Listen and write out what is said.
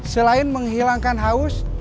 selain menghilangkan haus